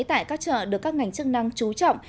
tại các chợ được các ngành chức năng chú trọng